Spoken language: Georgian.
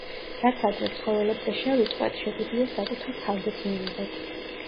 რაც ადრე ცხოველებზე შევიტყვეთ, შეგვიძლია საკუთარ თავზეც მივიღოთ.